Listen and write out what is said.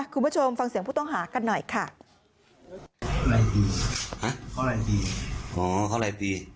คุณผู้ชมฟังเสียงผู้ต้องหากันหน่อยค่ะ